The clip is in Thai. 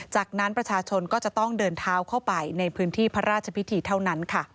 จากนั้นประชาชนก็จะต้องเดินเท้าเข้าไปในพื้นที่พระราชพิธีเท่านั้นค่ะ